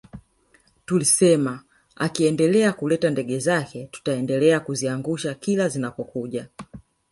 Tulisema akiendeleaendelea kuleta ndege zake tutaendelea kuziangusha kila zinapokuja